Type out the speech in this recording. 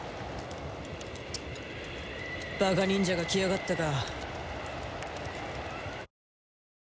バカ忍者が来やがったか。